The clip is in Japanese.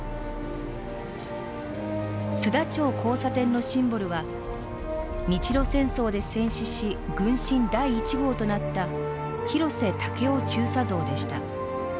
須田町交差点のシンボルは日露戦争で戦死し軍神第１号となった広瀬武夫中佐像でした。